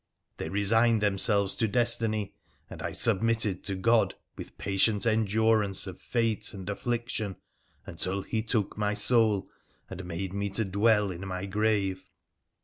They resigned themselves to destiny, and I submittec to God with patient endurance of fate and affliction until he tool my soul and made me to dwell in my grave.